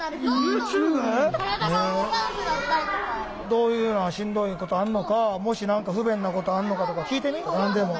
どういうのがしんどいことあんのかもし何か不便なことあんのかとか聞いてみ何でも。